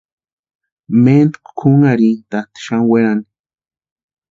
Méntku kʼunharhintʼatʼi xani werani.